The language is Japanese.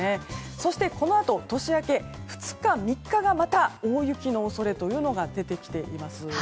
そしてこのあと年明け２日、３日がまた大雪の恐れが出てきています。